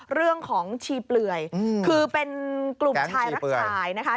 เรื่องของชีเปลื่อยคือเป็นกลุ่มชายรักชาย